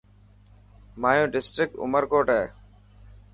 هايو ڊسٽرڪٽ عمر ڪوٽ هي.